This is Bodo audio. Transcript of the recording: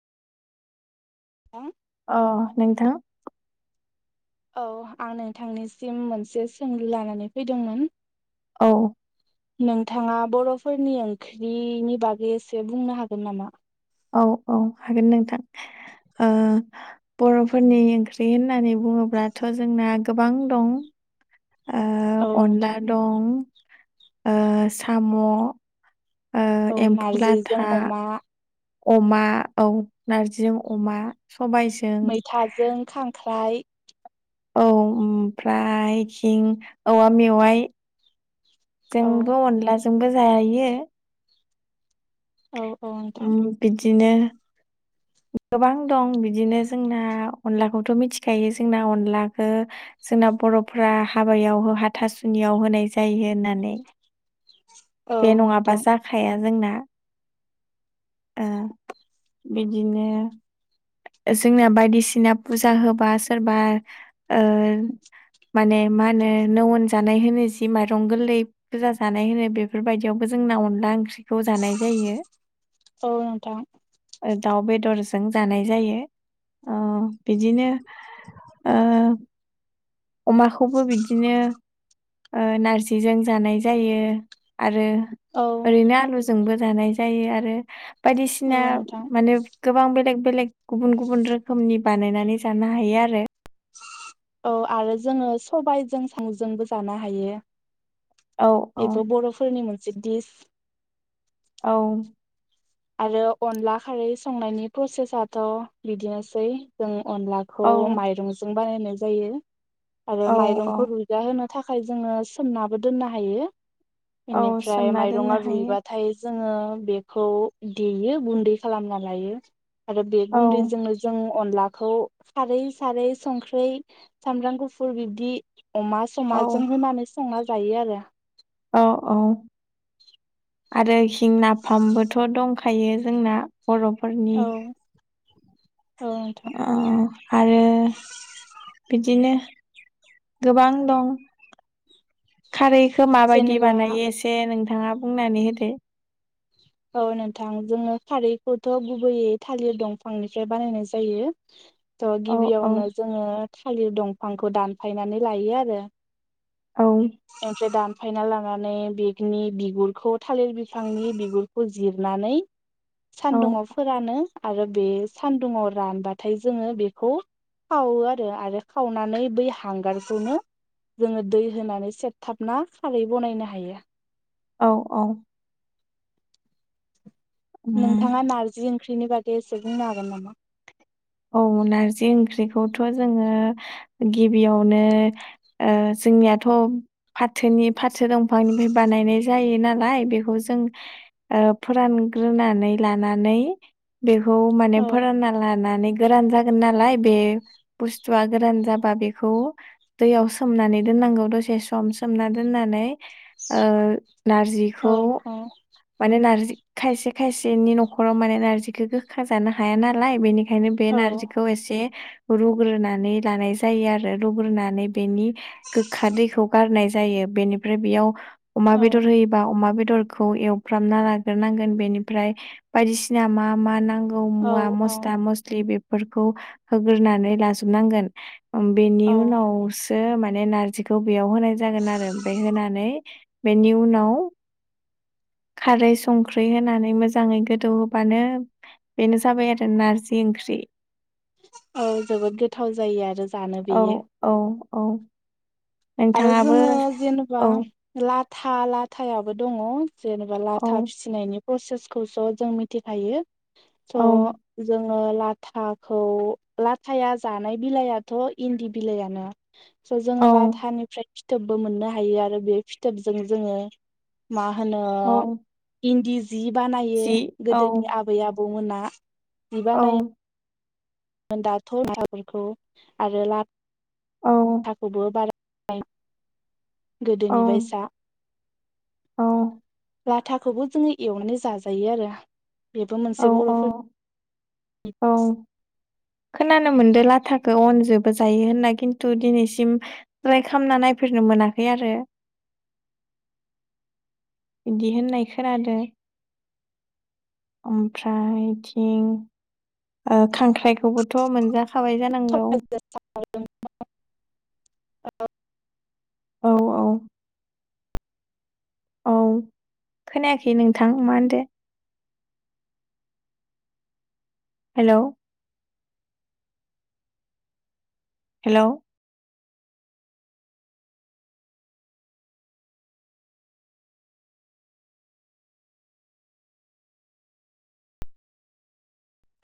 हा अ नोंथाङा औ आं नोंथांनिसिम मोनसे सोंलु लानानै फैदोंमोन औ नोंथाङा बर'फोरनि ओंख्रिनि बागै एसे बुंनो हागोन नामा औ औ हागोन नोंथां बर'फोरनि ओंख्रि होननानै बुङोब्लाथ' जोंना गोबां दं [inaudible] ओ औ अनला नोंथां दं ओ साम' ओ औ एम्फौ नारजिजों लाथा अमा अमा औ नारजिजों अमा सबायजों मैथाजों खांख्राइ औ ओमफ्राय इखि औवा मेवाइ औ जोंबो अनलाजोंबो जायो औ औ नोंथां बिदिनो गोबां दं बिदिनो जोंना अनलाखौथ' मिथिखायो जोंना अनलाखो जोंना ब र'फ्रा हाबायाव हाथासुनियाव होनाय जायो होननानै औ बे नङाबा नोंथां जाखाया जोंना ओ बिदिनो जोंना बायदिसिना फुजा होबा सोरबा ओ माने मा होनो नौ अन जानाय होनो जि माइरं गोरलै फुजा जानाय होनो बेफोरबायदियावबो जोंना अनला ओंख्रिखौ जानाय जायो औ नोंथां दाउ बेदरजों जानाय जायो ओ बिदिनो ओ अमाखौबो बिदिनो ओ नारजिजों जानाय जायो आरो औ ओरैनो आलुजोंबो जानाय जायो आरो औ बायदिसिना नोंथां माने गोबां बेलेग बेलेग गुबुन गुबुन रोखोमनि बानायनानै जानो हायो आरो औ आरो जोङो सबायजों साम'जोंबो जानो हायो औ औ बेबो बर'फोरनि मोनसे दिस औ आरो अनला खारै संनायनि प्रसेसाथ' बिदिनोसै अनलाखौ औ माइरंजों बानायनाय जायो आरो औ औ माइरंखौ रुइगा होनो थाखाय जोङो सोमनाबो दोननो हायो औ बेनिफ्राय सोमना दोननो माइरंङा हायो रुइबाथाय जोङो बेखौ देयो गुन्दै खालामना लायो आरो बे औ गुन्दैजोंनो जों अनलाखौ सारै सारै संख्रै सामब्राम गुफुर बिब्दि अमा औ समाजों होनानै संना जायो आरो औ औ आरो इथिं नाफामबोथ' दंखायो जोंना बर'फोरनि औ नोंथां अ आरो बिदिनो गोबां दं खारै खो माबायदि जेनेबा बानायो एसे नोंथाङा बुंनानै होदो औ नोंथां जोङो खारैखौथ' गुबैयै थालिर दंफांनिफ्राय बानायनाय जायो थ' औ औ गिबियावनो जोङो थालिर दंफांखौ दानफायनानै लायो आरो औ [unintelligible] फायना लानानै बेनि बिगुरखौ थालिर बिफांनि बिगुरखौ जिरनानै औ सान्दुङाव फोरानो आरो बे सान्दुुंङाव रानबाथाय जोङो बेखौ खावो आरो आरो खावनानै बै हांगारखौनो जोङो दै होनानै सेब थाबना खारै बनायनो हायो। औ औ। उम नोंथाङा नारजि ओंख्रिनि बागै एसे बुंनो हागोन नामा? औ नारजि ओंख्रि खौथ जोंङो गिबियावनो ओ जोंनिआथ' फाथो फाथो दंफांनिफ्राय बानायनाय जायो नालाय बेखौ जों फोरानग्रोनानै लानानै बेखौ माने औ फोरानना लानानै गोरान जागोन नालाय बे बुस्थुआ गोरान जाबा बेखौ दैयाव सोमनानै दोन नांगौ दसे सम सोमना दोन्नानै ओ औ नारजिखौ माने नारजि खायसे खायसेनि न'खराव माने नार्जिखौ गोखा जानो हाया नालाय बेनि खायनो बे औ नारजिखौ एसे रुग्रोनानै लानाय जायो आरो रुग्रोनानै बेनि गोखा दैखौ गारनाय जायो। बेनिफ्राय बेयाव अमा बेदर होयोबा अमा बेदरखौ एवफ्रामना लाग्रोनांगोन बेनिफ्राय बायदिसिना मा मा नांग गौ औ मुवा मस्ला मस्लि बेफोरखौ होग्रोनानै लाजोबनांगोन। बेनि उनावसो माने नारजिखौ बेयाव होनाय जागोन आरो ओमफाय होनानै बेनि उनाव खारै संख्रि होनानै मोजाङै गोदौ होबानो बेनो जाबाय आरो नारजि ओंख्रि। औ जोबोद गोथाव जायो आरो। जानो औ बेयो औ औ। आरो नोंथाङाबो जोङो जेनेबा औ ला था लाथायाबो दङ जेनेबा औ लाथा फिसिनायनि प्रसेसखौथ' जों मिथिखायो औ थ' जों ङो लाथाखौ लाथाया जानाय बिलाइयाथ' इन्दि बिलाइयानो। स' औ जोङो ला ओमफ्राय फिथोबबो मोननो हायो आरो बे फिथोबजों जोङो मा मा होनो औ इन्दि जि बानायो जि औ गोदोनि आबै आबौमोना। औ बिबानायो दाथ बेफोरखौ आरो औ लाथाखौबो बारा [unintelligible] औ गोदोनिबायसा औ। लाथाखौबो जोङो एवनानै जाजायो आरो बेबो औ मोनसे औ बर'फोर औ। खोनानो मोनदों लाथाखौ अनजोबो जायो होनना खिन्थु दिनैसिम ट्राय खालामना नाय फेरनो मोनाखै आरो। ज [inaudible] बिदि होननाय खोनादो। ओमफ्रायथिं खांख्राइखौबोथ' मोनजा खाबाय जानांगौ? बर'फोरनि औ। औ औ। औ खोनायाखै नोंथां मा होनदो? हेल' हेल'।